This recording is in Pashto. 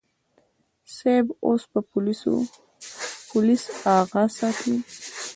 صيب اوس به پوليس اغه ساتي.